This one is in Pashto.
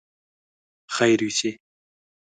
خير يوسې!